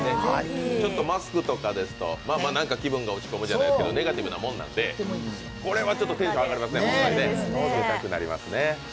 マスクとかですと、ちょっと落ち込むじゃないけどネガティブなものなので、これはちょっとテンション上がりますね。